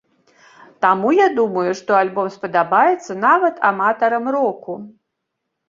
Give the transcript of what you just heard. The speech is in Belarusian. Таму, я думаю, што альбом спадабаецца нават аматарам року.